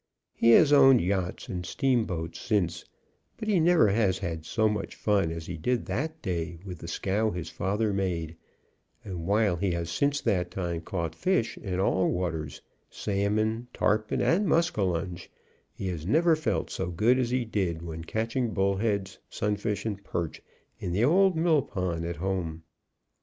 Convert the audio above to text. He has owned yachts and steamboats since, but he never has had so much fun as he did that day with the scow his father made, and while he has since that time caught fish in all waters, salmon, tarpon and muscalonge, he has never felt so good as he did when catching bullheads, sunfish and perch in the old mill pond at home.